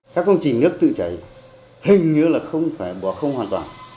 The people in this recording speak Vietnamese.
các công trình nước tự chảy hình như là không phải bỏ không hoàn toàn